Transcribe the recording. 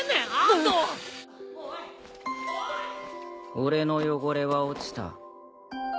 俺の汚れは落ちた。